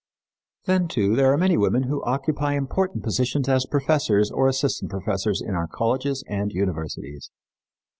Then, too, there are many women who occupy important positions as professors or assistant professors in our colleges and universities.